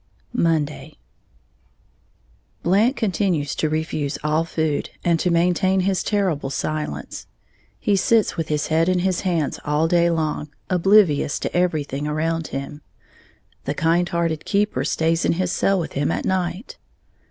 Monday. Blant continues to refuse all food, and to maintain his terrible silence. He sits with his head in his hands all day long, oblivious of everything around him. The kind hearted keeper stays in his cell with him at night.